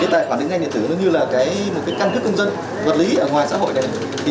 tài khoản định danh điện tử như là căn cước công dân vật lý ở ngoài xã hội này